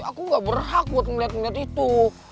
aku gak berhak buat ngeliat ngeliat itu